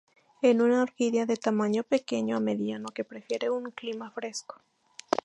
Es una orquídea de tamaño pequeño a mediano, que prefiere un clima fresco.